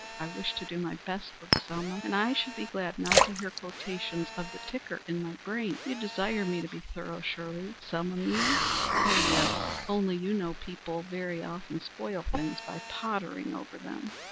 I wish to do my best work, and I shall be glad not to hear quotations of the ticker in my brain. You desire me to be thorough, surely, Selma mia?" "Oh, yes. Only, you know people very often spoil things by pottering over them."